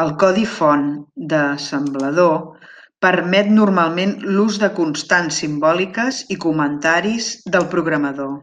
El codi font d'assemblador permet normalment l'ús de constants simbòliques i comentaris del programador.